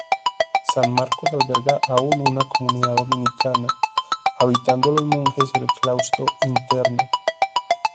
San Marcos alberga aún una comunidad dominica, habitando los monjes el claustro interno.